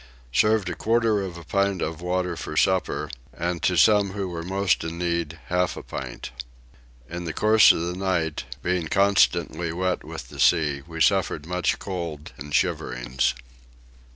Served a quarter of a pint of water for supper, and to some who were most in need half a pint. In the course of the night, being constantly wet with the sea, we suffered much cold and shiverings.